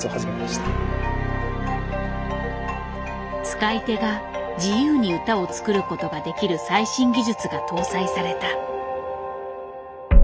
使い手が自由に歌を作ることができる最新技術が搭載された。